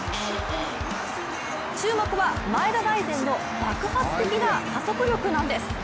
注目は、前田大然の爆発的な加速力なんです。